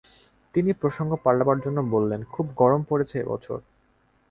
তিনি প্রসঙ্গ পাল্টাবার জন্যে বললেন, খুব গরম পড়েছে এ-বছর।